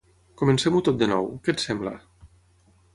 Comencem-ho tot de nou, què et sembla?